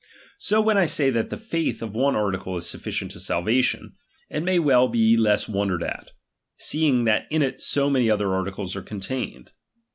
So when I say that the faith of one ^M article is sufficient to salvation, it may well be less wondered at ;^| seeing that in it so many other articles are contained.